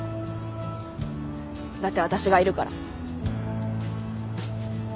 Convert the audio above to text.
だって私がいるから。